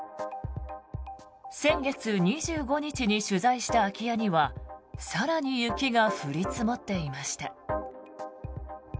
先月２５日に取材した空き家には更に雪が降り積もっていました。